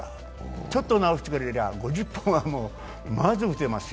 ちょっと直してくれれば５０本はまず打てますよ。